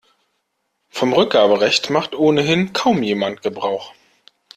Vom Rückgaberecht macht ohnehin kaum jemand Gebrauch.